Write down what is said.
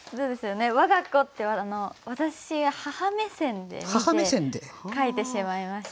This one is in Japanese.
「わが子」って私母目線で見て書いてしまいました。